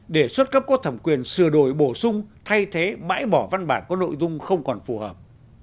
đề xuất cấp có thẩm quyền sửa đổi bổ sung thay thế bãi bỏ văn bản có nội dung không còn phù hợp